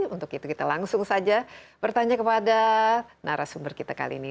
untuk itu kita langsung saja bertanya kepada narasumber kita kali ini